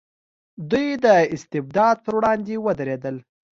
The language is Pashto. دوی د استبداد پر وړاندې ودرېدل.